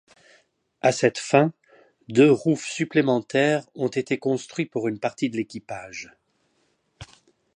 À cette fin, deux roufs supplémentaires ont été construits pour une partie de l'équipage.